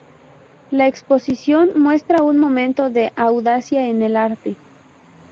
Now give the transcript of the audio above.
La exposición muestra un momento de audacia en el arte.